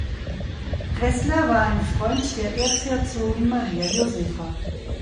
Tressler war ein Freund der Erzherzogin Maria Josepha.